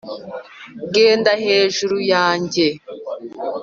genda hejuru yanjye